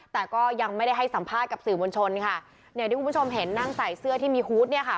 แต่ก็ยังไม่ได้ให้สัมภาษณ์กับสื่อมวลชนค่ะเนี่ยที่คุณผู้ชมเห็นนั่งใส่เสื้อที่มีฮูตเนี่ยค่ะ